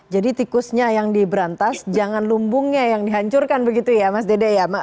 jadi tikusnya yang diberantas jangan lumbungnya yang dihancurkan begitu ya mas dede ya